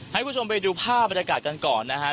ให้คุณผู้ชมไปดูภาพบรรยากาศกันก่อนนะฮะ